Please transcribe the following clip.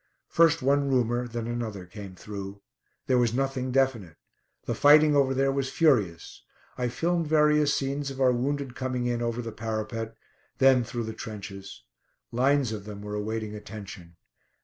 First one rumour then another came through. There was nothing definite. The fighting over there was furious. I filmed various scenes of our wounded coming in over the parapet; then through the trenches. Lines of them were awaiting attention.